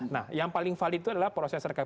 nah yang paling valid itu adalah proses rekapitu